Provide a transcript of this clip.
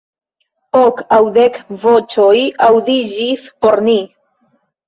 Ok aŭ dek voĉoj aŭdiĝis por ni.